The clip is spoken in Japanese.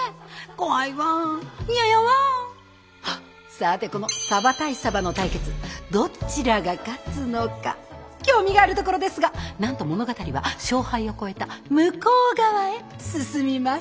さてこのサバ対サバの対決どちらが勝つのか興味があるところですがなんと物語は勝敗を超えた向こう側へ進みます。